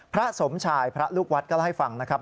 พระสมชายพระลูกวัดก็เล่าให้ฟังนะครับ